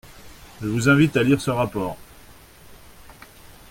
Je vous invite à lire ce rapport.